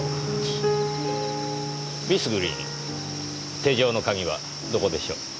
ミス・グリーン手錠の鍵はどこでしょう？